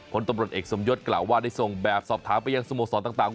คนตำรวจเอกสมยศกล่าวว่าได้ส่งแบบสอบถามไปยังสโมสรต่าง